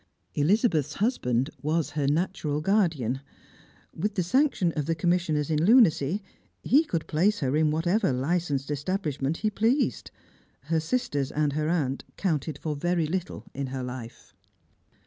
Elizabeth's husband was her natural guardian. With the sanction of the Commissioners in Lunacy, he could place her in whatever licensed establishment he pleased. Her sisters and her aunt counted for very little in her life.